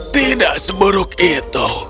tidak seburuk itu